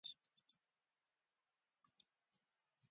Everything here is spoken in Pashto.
حالات عادي شوي دي.